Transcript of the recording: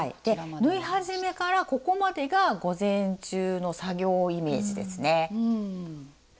縫い始めからここまでが午前中の作業イメージですね。